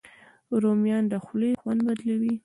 رومیان د خولې خوند بدلوي